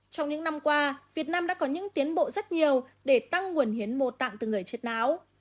trong những năm qua việt nam đã có những tiến bộ rất nhiều để tăng nguồn hiến mô tạng từ người chết não